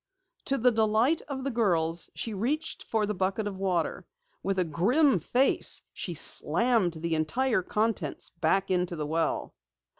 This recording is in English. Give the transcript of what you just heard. To the delight of the girls, she reached for the bucket of water. With a grim face she slammed the entire contents back into the well.